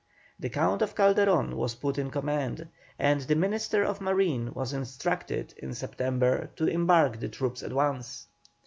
The Count of Calderon was put in command, and the Minister of Marine was instructed, in September, to embark the troops at once.